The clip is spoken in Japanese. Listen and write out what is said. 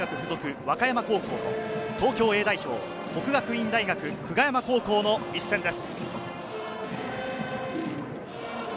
和歌山高校と、東京Ａ代表・國學院大學久我山高校の一戦です。